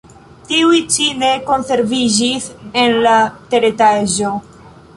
Tiuj ĉi ne konserviĝis en la teretaĝo.